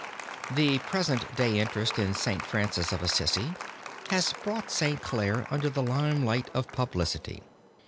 The present day interest in St. Francis of Assisi, has brought St. Clare under the lime light of publicity.